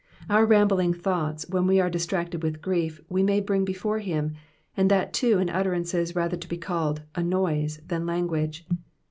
Our rambling thoughts when we are distracted with grief we may bring before him, and that too m utterances rather to be called ^^anoise^^ than language.